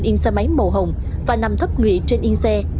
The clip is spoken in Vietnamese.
trên yên xe máy màu hồng và nằm thấp nghỉ trên yên xe